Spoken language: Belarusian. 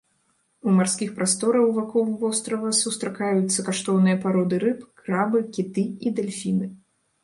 У марскіх прастораў вакол вострава сустракаюцца каштоўныя пароды рыб, крабы, кіты і дэльфіны.